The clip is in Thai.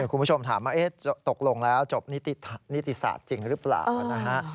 คุณผู้ชมถามว่าตกลงแล้วจบนิติศาสตร์จริงหรือเปล่านะฮะ